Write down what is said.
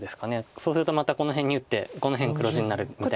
そうするとまたこの辺に打ってこの辺黒地になるみたいな。